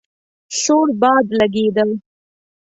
سوړ باد لګېده.